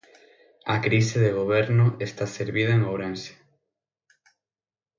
A crise de Goberno está servida en Ourense.